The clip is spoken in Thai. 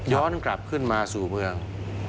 กลับขึ้นมาสู่เมือง